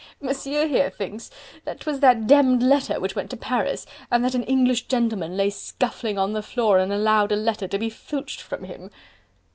Monsieur here thinks... that 'twas that demmed letter which went to Paris... and that an English gentleman lay scuffling on the floor and allowed a letter to be filched from him..."